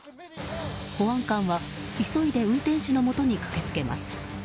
保安官は急いで運転手のもとに駆け付けます。